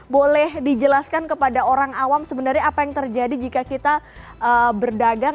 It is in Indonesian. boleh dijelaskan kepada orang awam sebenarnya apa yang terjadi jika kita berdagang